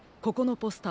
ポスター？